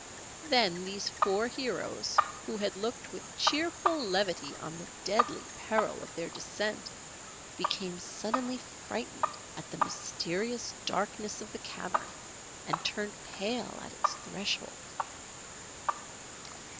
Then these four heroes who had looked with cheerful levity on the deadly peril of their descent became suddenly frightened at the mysterious darkness of the cavern and turned pale at its threshold.